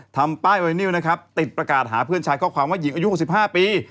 ทำป้ายไวนิวนะครับติดประกาศหาเพื่อนชายข้อความว่าหญิงอายุ๖๕ปี